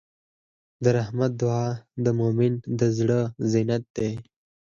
د رحمت دعا د مؤمن زړۀ زینت دی.